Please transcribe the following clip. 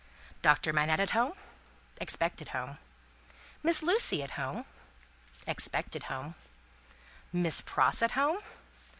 "Doctor Manette at home?" Expected home. "Miss Lucie at home?" Expected home. "Miss Pross at home?"